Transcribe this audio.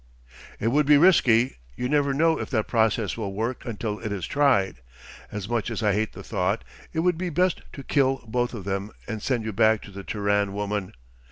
"It would be risky. You never know if that process will work until it is tried. As much as I hate the thought, it would be best to kill both of them and send you back to the Terran woman.